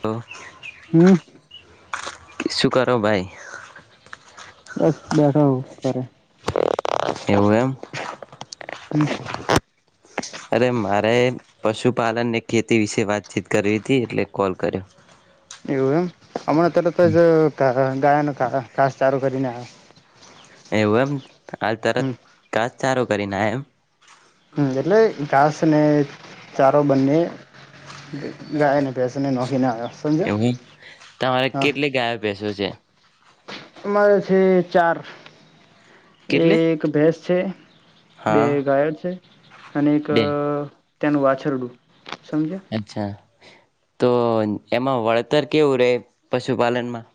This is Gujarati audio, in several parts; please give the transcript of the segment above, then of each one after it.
તો હમ શું કરો ભાઈ બસ બેઠા હો તરે એવું એમ હમ અરે મારે પશુપાલન ને ખેતી વિશે વાતચીત કરી હતી એટલે કોલ કર્યો એવું એમ હમણા અત્યારે તો ગયા ન ખા ખાસ સારું કરીને આવે એવમ આાલ તર હમ ક સારો કરીને એમ હમ એટલે ઘાસ અનેને ચારો બંને ગાયને બેસીને નોખીને આવ્યો સમજો હા જઝે અમારે છે ચાર કેટલી એક ભેસ છે બે હા ગાયક છે અનેક બે તેનું વાછરડું. સમજ્યા. અચ્છા તો એમાં વળતર કેવું રહે પશુપાલનમાં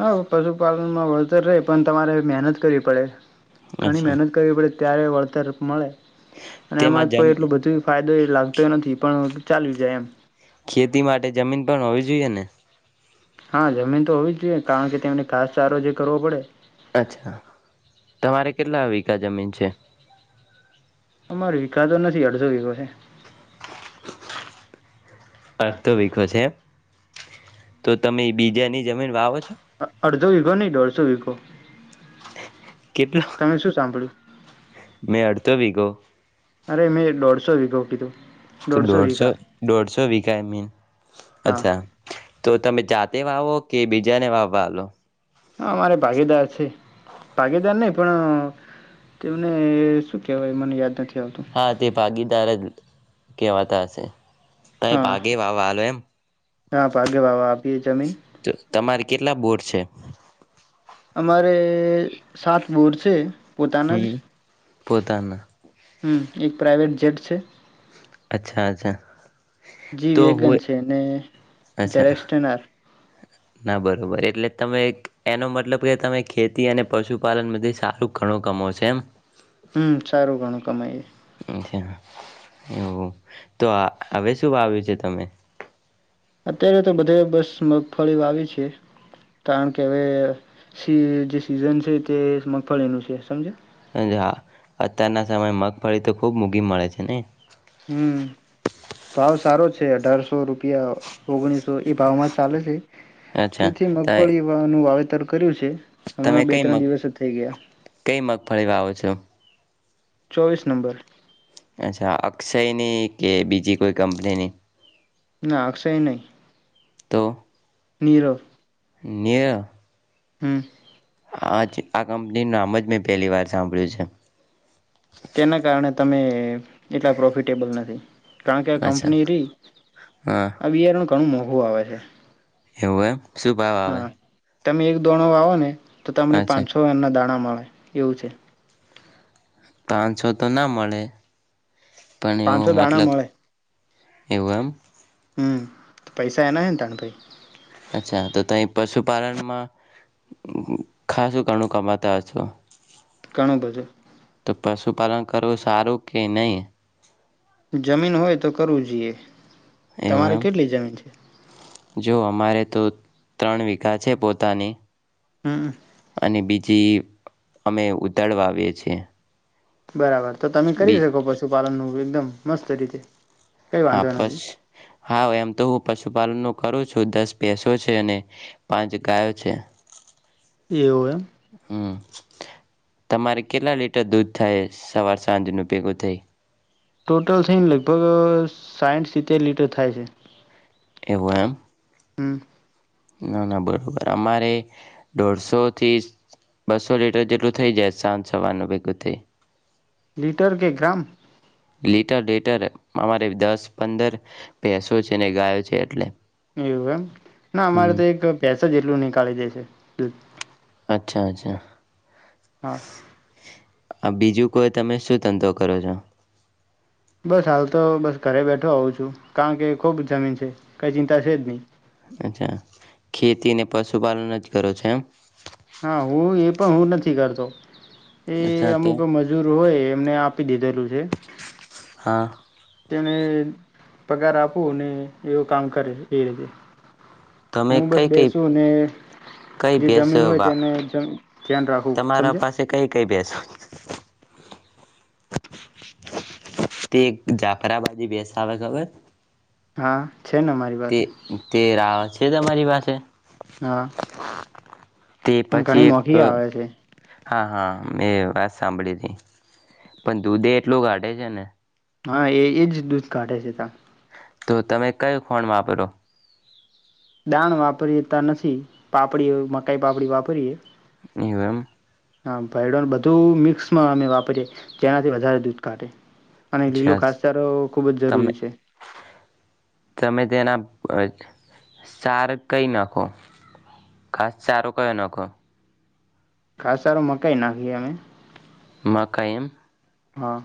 હા પશુપાલનમાં વળતર રહે પણ તમારે મહેનત કરવી પડે ઘણી અચ્છા મહેનત કરવી પડે ત્યારે વળતર મળે અને તેમાં એમાં જમ કોઈ એટલું બધું ફાયદો એ લાગતો નથી પણ ચાલ્યું જાય એમ ખેતી માટે જમીન પણ હોવી જોઈ એને હા જમીન તો હોવી જ જોઈએ કારણ કે તેમને ઘાસ સારો જે કરવો પડે અચ્છા તમારે કેટલા વિગા જમીન છે અમાર વિગાતો નથી અડસો વિગોસે અડધો વિગો છે એમ તો તમે બીજાની જમીન વાવો છો અડધો વિગો નહી દોઢસો વિગો કેટલો સાંભળ્યું મેં અડતો વિગો અરે મેં દોઢસો વિગો કીધું તો દોઢસો દોઢસો વિગાય મીન હા અચ્છા તો તમે જાતે વાવો કે બીજા ને વાવવા આલો હા મારે ભાગીદાર છે ભાગીદાર નઈ પણ તેમને શું કેહેવાય મને યાદ નથી આવતું હા તે ભાગીદાર જ કેવાતા હશે હા ભાગે વાવવા આલો એમ હા ભાગે વાવવા આપીએ જમીન તો તમારે કેટલા બોર છે અમારે સાત બોર છે પોતાના જ હમ પોતાના હમ એક પ્રઇવેટ જેટ છે અચ્છા અચ્છા જી તો વેગન હોય છે ને અચ્છા [unintelligible] ના બરોબર એટલે તમે એનો મતલબ કે તમે ખેતી અને પશુપાલન થી સારું ઘણું કમવો છો એમ હમ સારું ઘણું કમાયએ અરછા એવુ તો હવે શું વાવ્યું છે તમે અત્યારે તો બધે બસ મગફળી વાવી છે કારણ કે હવે સી જે સીઝન છે તે મગફળીનું છે સમજયા હા અત્યારના સમય મગફળી તો ખુબ મૂઘી મળે છે ને હમ ભાવ સારો છે અઢારસો રૂપિયા ઓગણીસો એ ભાવમાં ચાલે છે અચ્છા તેથી ત મગફળી નું વાવેતર કર્યું છે તમે હમણાં બે કઈ ત્રણ મગ દિવસ થઈ ગયા. કઈ મગફળી વાવો છો ચોવીસ નંબર. અચ્છા અક્ષયની કે બીજી કોઈ કંપનીની. ના અક્ષય નહી. તો. નીરવ. નીરવ. હમ. આજ આ કંપનીનું નામ જ મેં પહેલી વાર સાંભળ્યું છે. તેના કારણે અમે એટલા પ્રોફિટેબલ નથી. કારણ કે છે આ અચ્છા કંપની રહી હા આ બિયારણ ઘણું મો ઘુ આવે છે. એવુ એમ. શું ભાવ આવે? હા તમે એક દોણો વાવો ને. તો તમને અચ્છા પાંચસો એમ ના દાણા મળ એવું છે. પાંચ છો તો ના મળે. પણ એવો પાંચસો દાણા મતલબ મળે એવું એમ. હમ તો પૈસા એના હેન તારા પર. અચ્છા તો ત પશુપાલનમાં ખાસું ઘણું કમાતા હસો. ઘણું બધું તો પશુપાલન કરવું સારું કે નઈ? જમીન હોય તો કરવું જોઈએ. એવું તમારે કેટલી જમીન છે? જો અમારે તો ત્રણ વીઘા છે પોતાની. હમ. જે અમે ઉતાળવા આવીએ છીએ. બરાબર. તો તમે કરી બી શકો પશુપાલનનું એકદમ મસ્ત રીતે. કઈ હા વાંધો પસ નથી હા એમ તો હું પશુપાલન નો કરું છું દસ ભેંસો છે અને પાંચ ગાયો છે. એવું એમ હમ. તમારે કેટલા લીટર દૂધ થાય સવાર સાંજ નું ભેગું થઈ ટોટલ છે લગભગ સાઈઠ સિત્તેર લીટર થાય છે. એવો એમ. હમ. ના ના બરોબર અમારે દોઢસો થી બસો લીટર જેટલું થઈ જાય સાંજ સવારનું ભેગું થઈ. લીટર કે ગ્રામ? લીટર લીટર અમારે દસ પંદર ભેંસો છે ને ગાય છે એટલે એવુ એમ. ના અમારે હમ તો એક પેસ જેટલું નીકાળી દે છે અચ્છા અચ્છા હા આ બીજું કોઈ તમે શું ધંધો કરો છો બસ હાલ હ તો બસ ઘરે બેઠો આવું છું કારણ કે ખુબ જમીન છે કઈ ચિંતા છે જ નહી અચ્છા ખેતી અને પશુપાલન જ કરો છેો એમ હા હું એ પણ હું નથી કરતો એ અચ્છા તો અમુક મજૂર હોય એમને આપી દીધેલું છે હા તેને પગાર આપો ને એવું કામ કરે એ રીતે તમે હું બસ કઈ કઈ બેસુ અનેને કઈ જે ભેંસ જમીન હોય વા તેને ધ્યાન રાખું સમજે કસ તે જાફરાબાદી બેસ આવે ખબર હા છે ને મારી તે પાસે તે રાહત છે તમારી પાસે તે હા તે પણ પછી ઘણી એક મોંઘી આવે છે હા હા મેં વાત સાંભળી હતી પણ દૂધે એટલું કાઢે છે ને હા એ એજ દૂધ કાઢે છે ત તો તમે કયું ફણ વાપરો દાણ વાપરીએ નથી પાપડી મકાઈ પાપડી વાપરીએ એવરમ હા ભડન બધું મિક્સમાં અમે વાપરીએ તેનાથી વધારે દૂધ કાઢે અને લીલો અચ્છા ખાસચારો ખૂબ જ તમે જરૂરી છે તમે તેના સાર કઈ નાખો ખાસ સારો કયો નાખો ખાસ સારું મકાઈ નાખીએ અમે મકાયમ હા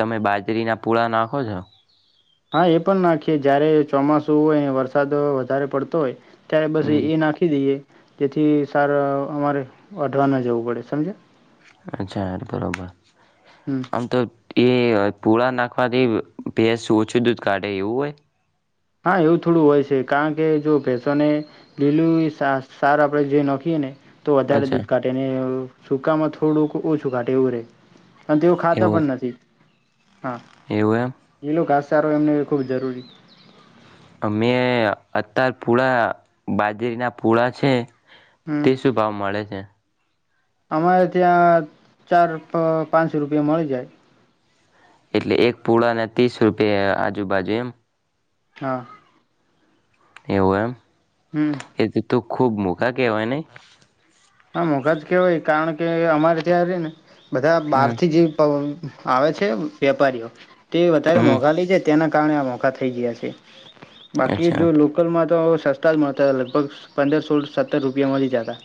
તમે બાજરીના પૂળા નાખો છો હા એ પણ નાખીએ જયારે ચોમાસું હોય વરસાદ વધારે પડતો હોય ત્યારે બસ હમ એ એ નાખી દઈએ. જેથી સાર અમારે વાઢવા ના જવું પડે સમજયા. અચ્છા બરોબર હમ આમ તો એ પૂળા નાખવાથી ભેસ ઓછું દૂધ કાઢે એવું હોય? હા એવું થોડું હોય છે કારણ કે જો ભેંસોને લીલું સા સાર આપડે જે નાખીએ ને તો વધારે અચ્છા દૂધ કાઢેને એવું સૂકામાં થોડુંક ઓછું ઘાટે એવું રેહ. અને તેઓ ખાતા એવું પણ નથી. હા, એવું લીલું ઘાસ સારો એમને ખૂબ જરૂરી છે. અમે અતાર પૂળા બાજરીના પૂળા છે. તે હમ શું ભાવ મળે છે? અમારે ત્યાં ચાર રૂપ પાંચ રૂપિયે મળી જાય. એટલે એક પુળાના ત્રીસ રૂપિયા આજુબાજુ એમ. હા. એવું એમ. હમ એજ તું ખૂબ મુઘા કહેવાય નઈ? હા મુઘાજ કેવાય કારણ કે અમારે ત્યાં ર ને બધા બહાર હમ થી જે આવે છે વેપારીઓ. તે વધારે હમ મોંઘા લઈ જાય ત્યાંના કારણે આ મોઘા થઈ ગયા છે. બાકી અચ્છા જો લોકલમાં તો સસ્તા જ મળતા લગભગ પંદર સોલ સત્તર રૂપિયા મળી જાતા.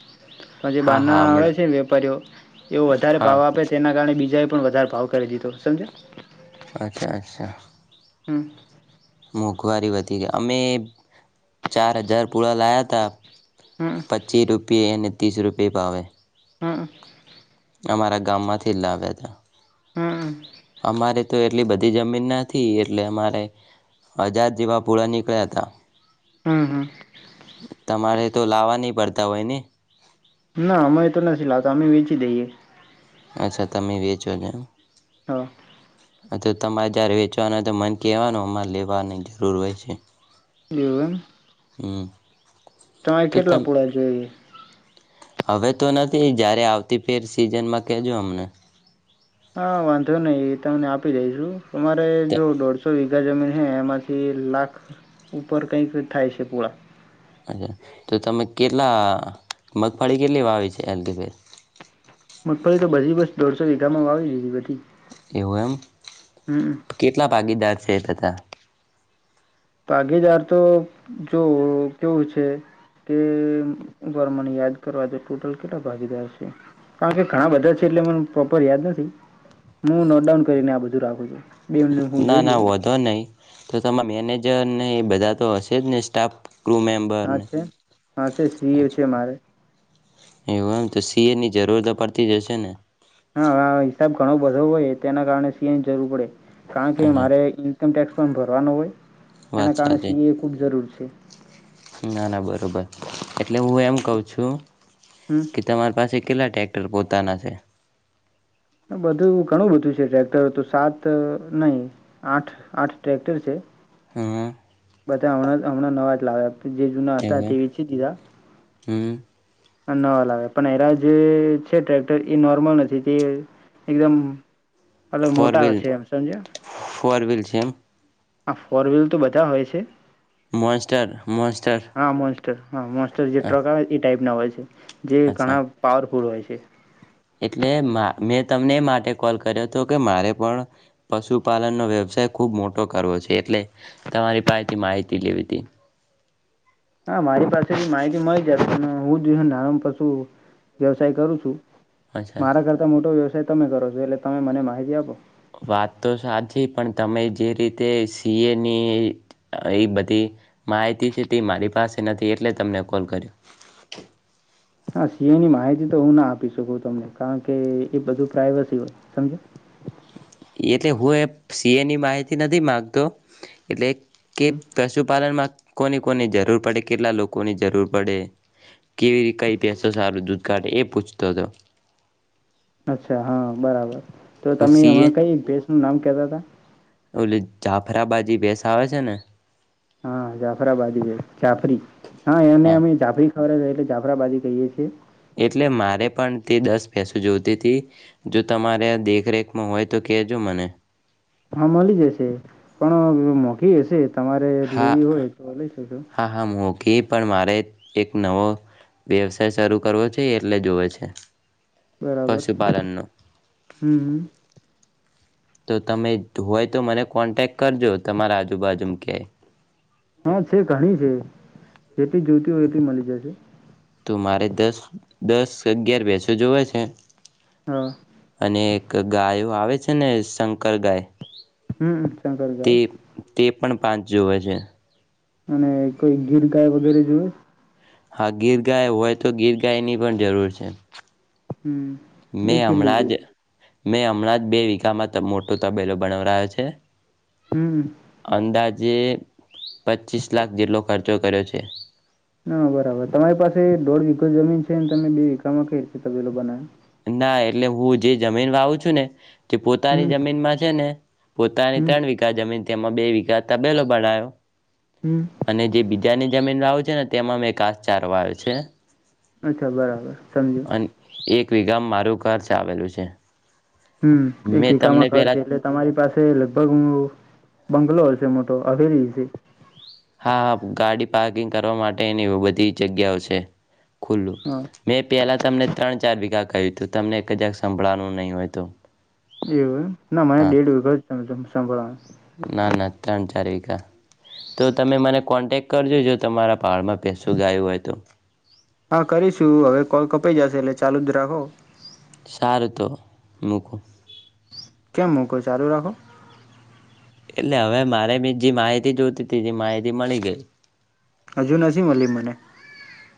પણ જે હા બારના હા આવે હમણાં છે ને વેપારીઓ, એવો વધારે હા ભાવ આપે તેના કારણે બીજા પણ વધારે ભાવ કરી દીધો સમજ્યાં. અચ્છા અચ્છા. હમ. મોંઘવારી વધી ગઈ અમે ચાર હજાર પૂળા લાયા તા. હમ પચ્ચી રૂપિયે એને ત્રીસ રૂપિયે ભાવે. હમ. અમારા ગામ માંથી લાવ્યા તા. હમ અમારે તો એટલી બધી જમીન નથી એટલે અમારે, હજાર જેવા પૂળા નીકળ્યા હતા. હમ હા. તમારે તો લાવવા નહી પડતા હોય ને? ના અમે એ તો નથી લાગતો અમે વેચી દઈએ. અચ્છા તમે વેચોજ એમ. હા. અ તો તમારે જયારે વેચવાના તો મને કવાનું અમાં લેવાની જરૂર હોય છે. એવુ. હમ. તમારે તો તમ કેટલા પુળ જોઈએ? હવે તો નથી જ્યારે આવતી ફેર સિઝનમાં કહેજો અમને હા વાંધો નઈ એ તમને આપી દઈશું. તમારે જો દોઢસો [unintelligible] હે એમાંથી લાખ ઉપર કઈક થાય છે પૂઆ. [unintelligible] તો તમે કેટલા મગફળી કેટલી વાવી છે એલ્ડબે મગફળી તો બછી બસ દોઢસો વીઘામાં વાવી લીધેલી એવું એમ કેટલા ભાગીદાર છે થતા. ભાગીદાર તો જો કેવું છે કે ઉભા રે મને યાદ કરવા ડે ટોટલ કેટલા ભાગીદાર છે કારણ કે ઘણા બધા છે એટલે મને પ્રોપર યાદ નથી હું નોટડાઉન કરીને આ બધું રાખું છું. બે મિનિટ હું ના જોઈ ના લઉં વધો નઈ તો તમે મેનેજ જેવા નઈ બધા તો હશે જ ને સ્ટાફ. ક્રૂ હા મેમ્બરને છે હા છે સી એ છે અચ્છા મારે. એવું એમ તો સી એ ની જરૂર પડતી જશે ને? હા હિસાબ ઘણો બધો હોય તેના કારણે સી એ ની જરૂર પડે કારણ કે અચ્છા મારે ઇન્કમ ટેક્સ પણ ભરવા નો હોય. વાત એના કારણે સી સાચી એ ની ખુબ જરૂર છે. ના ના બરોબર એટલે હું એમ કહું છું હમ કે તમારી પાસે કેટલા ટ્રેક્ટર પોતાના છે? ને બધું ઘણું બધું ટ્રેક્ટર તો સાત નહી આઠ આઠ ટ્રેક્ટર છે. હ હ. બધા હમણાં હમણાં નવા જ લાવ્યા. જે જૂના હતા એવું એમ તે વેચી દીધા. હં નવા લાવ્યા પણ હરા જે છે ટ્રેક્ટર એ નોર્મલ નથી તે એકદમ અલગ ફોર મોટા વ્હીલ છે એમ સમજ્યા. ફોર વ્હીલ છે એમ હા ફોર વ્હીલ તો બધા હોય છે. મોઇસ્ટર મોઇસ્ટર. તો હા મોસ્ટર જેટલાં કાંઈ ઈ ટાઈપ ના હોય છે. જેવું અચ્છા ઘણા પાવરફુલ હોય છે. છે. એટલે માં મેં તમને એ માટે કોલ કર્યો તો કે મારે પણ પશુપાલનનો વ્યવસાય ખુબ મોટો કરવો છે એટલે તમારી પાહેથી માહિતી લેવી તી હા મારી પાસેથી માહિતી મળી જાય પણ હું જ નાનો પશુ વ્યવસાય કરું છું. અચ્છા મારા કરતા મોટો વ્યવસાય તમે કરો છો એટલે તમે મને માહિતી આપો. વાત તો સાચી પણ તમે જે રીતે સી એની એ બધી માહિતી છે તે મારી પાસે નથી એટલે તમને કોલ કર્યો હા સીએની માહિતી તો હું ના આપી શકું તમને કારણ કે એ બધું પ્રાઈવસી હોય સમજો એટલે હું એ સી એ નથી માહિતી નથી માંગતો એટલે કે પશુપાલનમાં કોની કોની જરૂર પડે કેટલા લોકોની જરૂર પડે કેવી [unintelligible] સારું દૂધ કાળી એ પૂછતાો અચ્છા હા બરાબર તો હું તમે સીએ એમાં કઈ ભેસ નું નામ કેતા હતા જાફરાબાદી ભેસ આવે છે ને હા જાફરાબાદી છે જાફરી હા એને અમે જાફરી જાફરાબાદી કઈએ છીએ ભેસો જોતીથી જો તમારે દેખરેખમાં હોય તો કેજો મને હા મલી જૈસે પણ મોગી હશે તમારે લેવી હોય તો લઈ જજો કે પણ મારે એક નવો વ્યવસાય શરૂ કરવો છે એટલે જોવે છે બરાબર પશુપાલનનો હમ હમ તો તમે હોય તો મને કોન્ટેક કરજો તમારા આજુબાજુમાં ક્યાય હા છે ઘણી છે જેટલી જોતી હોય એટલી મળી જશે તો મારે દસ દસ અગિયાર ભેસો જોવે છે હા અને એક ગાયો આવે છે છે ને શંકર ગાય હમ તે શંકરગાય તે પણ પાંચ જોવે છે અને કોઈ ગીર ગાય વગેરે જોએ હા ગીર ગાય હોય તો ગીર ગાય ની પણ જરૂર છે હમ એ મેં કેટલી હમણાં જોવે જ છે મેં હમણાં જ બે વિગામાં મોટો તબેલો બનાવરાયો છે હમ અંદાજે પચીસ લાખ જેટલો ખર્ચો કર્યો છે ના બરાબર તમારી પાસે દોઢ વિગો જમીન છે ને તમે બે વિગામાં કઈ રીતે તબેલો બનાયો ના એટલે હું જે જમીન વાવું છું ને જે પોતાની હમ જમીનમાં છે ને પોતાની હમ ત્રણ વિગા જમીન તેમાં બે વિગા તબેલો બનાયો હમ અને જે બીજાની જમીન ને તેમાં મેં ઘાસ ચાર વાય છે. અચ્છા બરાબર સમજુ અને એક વગામ મારું કાર ચ આવેલું છે. હમ એક મેં તમને એકામાં ઘર પેલા છે એટલે તમારી પાસે લગભગ હું. બંગ્લોર છે મોટો અવેરી છે. હા હા ગાડી પાર્કિંગ કરવા માટેની બધી જગ્યાઓ છે. ખુલ્લું હા મેં પેલા તમને ત્રણ ચાર વિઘા કહ્યું તું તમને એક જ ક સંભળવાનું નહી હોય તો એવું ના મને હા દેઢ વખા જ તમે ત સંભળાય ના ના ત્રણ ચાર વકા તો તમે મને કોન્ટેક કરજો જો તમારા પાડમાં પસું ગાયું હોય તો હા કરીશું હવે કોલ કપાઈ જશે એટલે ચાલુ જ રાખો સારુ તો મુકુ કેમ મૂકો ચાલુ રાખો એટલે હવે મારે બી જે માહિતી જોતી હતી એ માહિતી મળી ગઈ હજુ નજીમ મળલી મને